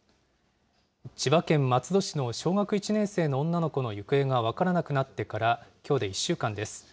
千葉県松戸市の小学１年生の女の子の行方が分からなくなってから、きょうで１週間です。